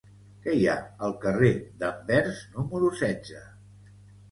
Què hi ha al carrer d'Anvers número setze?